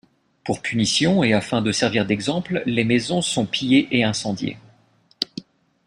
Pour punition et afin de servir d’exemple les maisons sont pillées et incendiées.